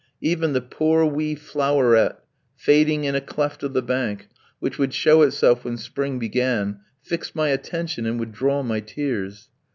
Even the poor wee floweret fading in a cleft of the bank, which would show itself when spring began, fixed my attention and would draw my tears....